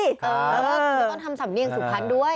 แล้วต้องทำสำเนียงสุพรรณด้วย